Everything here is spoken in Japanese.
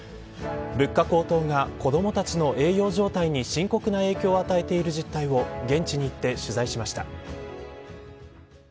物価高騰が子どもたちの栄養状態に深刻な影響を与えている実態を現地に行って取材しました。